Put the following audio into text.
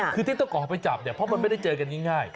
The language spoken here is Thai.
คือที่ต้องออกไปจับเนี่ยเพราะมันไม่ได้เจอกันง่าย